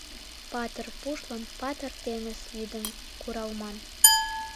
Патыр пушлан Патыр теҥыз вӱдым куралман.